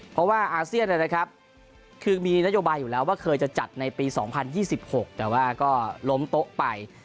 เพราะว่าอาเซียนเนี้ยนะครับคือมีนโยบายอยู่แล้วว่าเคยจะจัดในปีสองพันยี่สิบหกแต่ว่าก็ล้มโต๊ะไป